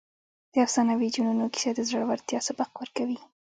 د افسانوي جنونو کیسه د زړورتیا سبق ورکوي.